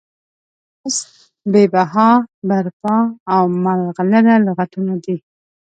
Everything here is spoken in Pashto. نیاز، بې بها، برپا او ملغلره لغتونه دي.